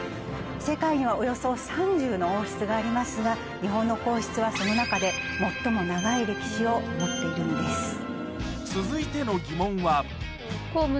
世界にはおよそ３０の王室がありますが日本の皇室はその中で最も長い歴史を持っているんです。